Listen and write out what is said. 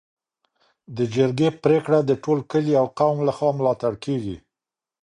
د جرګې پریکړه د ټول کلي او قوم لخوا ملاتړ کيږي.